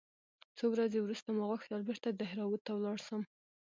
څو ورځې وروسته ما غوښتل بېرته دهراوت ته ولاړ سم.